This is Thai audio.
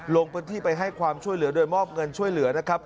ลงพื้นที่ไปให้ความช่วยเหลือโดยมอบเงินช่วยเหลือนะครับ